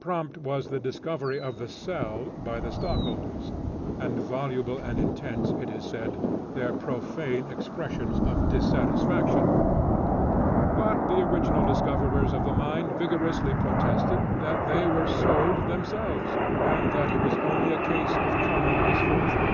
Prompt was the discovery of the "sell" by the stockholders, and voluble and intense, it is said, their profane expressions of dissatisfaction. But the original discoverers of the mine vigorously protested that they were "sold" themselves, and that it was only a case of common misfortune.